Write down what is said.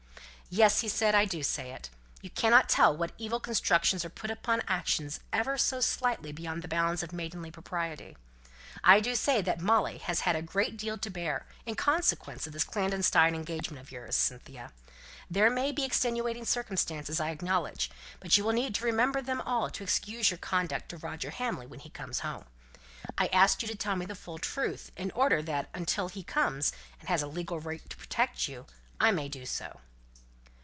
"Yes!" he said, "I do say it. You cannot tell what evil constructions are put upon actions ever so slightly beyond the bounds of maidenly propriety. I do say that Molly has had a great deal to bear, in consequence of this clandestine engagement of yours, Cynthia there may be extenuating circumstances, I acknowledge but you will need to remember them all to excuse your conduct to Roger Hamley, when he comes home. I asked you to tell me the full truth, in order that until he comes, and has a legal right to protect you, I may do so."